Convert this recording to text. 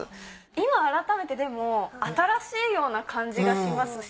今改めてでも新しいような感じがしますし。